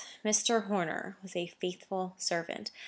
Mr. Horner was a faithful servant.